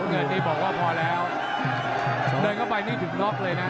เงินนี่บอกว่าพอแล้วเดินเข้าไปนี่ถึงน็อกเลยนะ